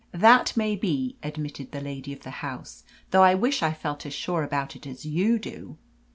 "That may be," admitted the lady of the house, "though I wish I felt as sure about it as you do."